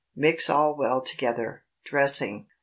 Mix all well together. _Dressing.